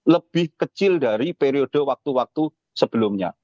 lebih kecil dari periode waktu waktu sebelumnya